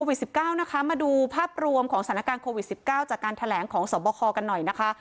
๑๙นะคะมาดูภาพรวมของสถานการณ์โควิด๑๙จากการแถลงของสวบคกันหน่อยนะคะ